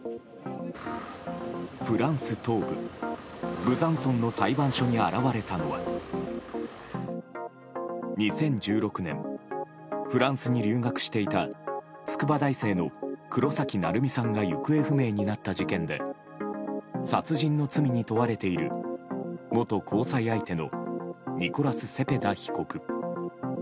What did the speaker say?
フランス東部ブザンソンの裁判所に現れたのは２０１６年フランスに留学していた筑波大生の黒崎愛海さんが行方不明になった事件で殺人の罪に問われている元交際相手のニコラス・セペダ被告。